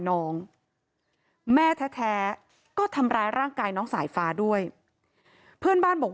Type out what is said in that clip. แม่แท้ก็ทำร้ายร่างกายน้องสายฟ้าด้วยเพื่อนบ้านบอก